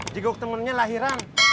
jigok temennya lahiran